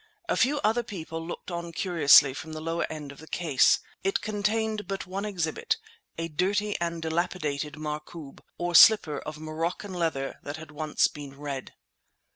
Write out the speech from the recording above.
A few other people looked on curiously from the lower end of the case. It contained but one exhibit—a dirty and dilapidated markoob—or slipper of morocco leather that had once been red.